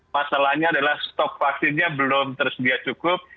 masalahnya adalah stok vaksinnya belum tersedia cukup